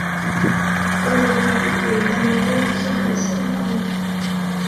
Aujourd’hui elle est amarrée aux quais de la seine à Paris.